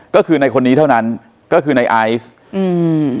ก็คือในคนนี้เท่านั้นก็คือในไอซ์อืม